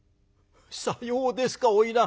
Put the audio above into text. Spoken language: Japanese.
「さようですか花魁。